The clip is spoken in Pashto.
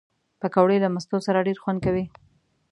پکورې له مستو سره ډېر خوند کوي